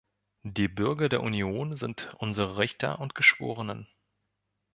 Die Bürger der Union sind unsere Richter und Geschworenen.